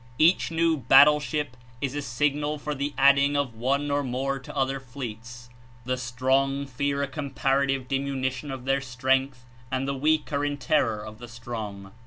Each new battleship is a signal for the adding of one or more to other fleets. The strong fear a com parative diminution of their strength and the weak are in terror of the strong.